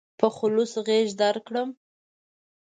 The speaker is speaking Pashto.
په خلوص غېږ درکړم.